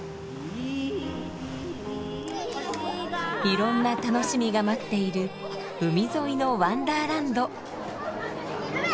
いろんな楽しみが待っている海沿いのワンダーランド。